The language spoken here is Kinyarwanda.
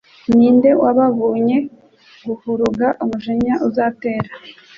ni nde wababunye guhuruga umujinya uzatera?